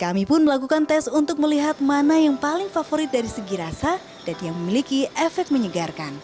kami pun melakukan tes untuk melihat mana yang paling favorit dari segi rasa dan yang memiliki efek menyegarkan